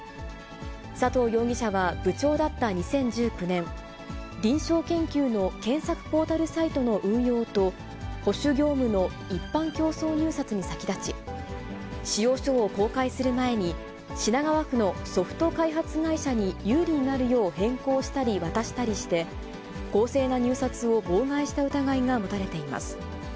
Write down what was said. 佐藤容疑者は部長だった２０１９年、臨床研究の検索ポータルサイトの運用と、保守業務の一般競争入札に先立ち、仕様書を公開する前に、品川区のソフト開発会社に有利になるよう変更したり、渡したりして、公正な入札を妨害した疑いが持たれています。